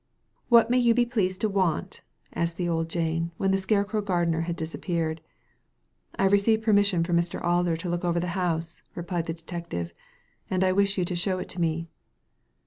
*' What may you be pleased to want ?'' asked old Jane, when the scarecrow gardener had disappeared. "I have received permission from Mr. Alder to look over the house," replied the detective, "and I wkh you to show it to me."